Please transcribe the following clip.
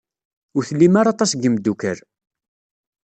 Ur tlim ara aṭas n yimeddukal.